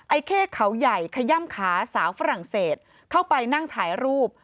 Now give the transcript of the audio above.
เข้เขาใหญ่ขย่ำขาสาวฝรั่งเศสเข้าไปนั่งถ่ายรูป